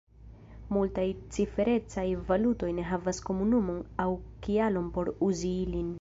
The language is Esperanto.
Multaj ciferecaj valutoj ne havas komunumon aŭ kialon por uzi ilin.